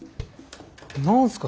何すか？